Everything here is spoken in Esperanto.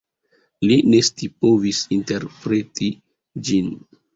Li ne scipovis interpreti ĝin.